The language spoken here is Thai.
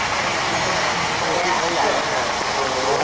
สวัสดีครับ